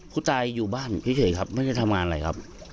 ผู้ตายอยู่บ้านเฉยครับไม่ได้ทำงานอะไรครับ